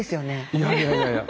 いやいやいやいや。